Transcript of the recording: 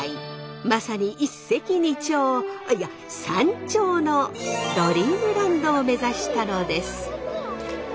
まさに一石二鳥いや三鳥のドリームランドを目指したのです。